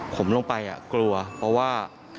ผมลงไปกลัวเพราะว่า